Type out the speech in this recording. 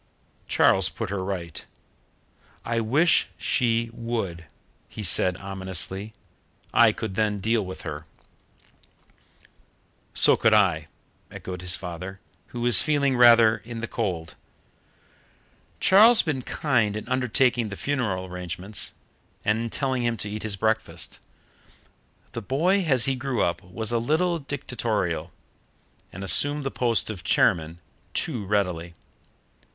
Charles put her right. "I wish she would," he said ominously. "I could then deal with her." "So could I," echoed his father, who was feeling rather in the cold. Charles had been kind in undertaking the funeral arrangements and in telling him to eat his breakfast, but the boy as he grew up was a little dictatorial, and assumed the post of chairman too readily.